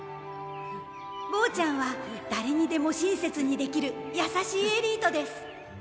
「ボーちゃんは誰にでも親切にできる優しいエリートです」